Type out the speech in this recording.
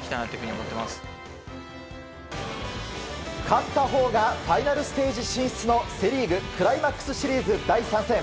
勝ったほうがファイナルステージ進出のセ・リーグクライマックスシリーズ第３戦。